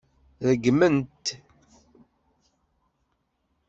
Regmen-t.